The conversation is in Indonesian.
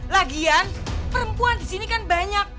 lagian perempuan disini kan banyak